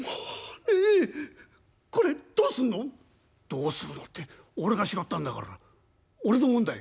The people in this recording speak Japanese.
「どうするのって俺が拾ったんだから俺のもんだい」。